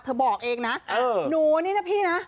บอกเองนะหนูนี่นะพี่นะ